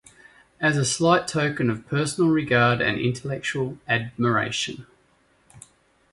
As a slight token of personal regard and intellectual admiration.